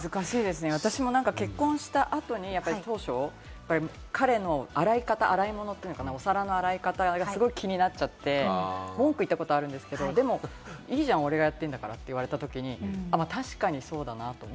私も結婚した後に当初、彼のお皿の洗い方がすごく気になっちゃって、文句言ったことあるんですけれども、でもいいじゃん俺がやってるんだからって言われたときに、確かにそうだなって。